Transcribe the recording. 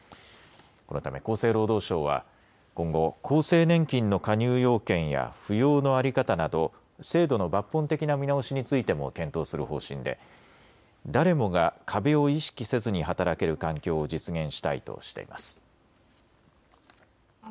このため厚生労働省は今後、厚生年金の加入要件や扶養の在り方など制度の抜本的な見直しについても検討する方針で誰もが壁を意識せずに働ける環境を実現したいとしています。